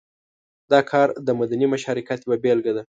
دا کار د مدني مشارکت یوه بېلګه ده.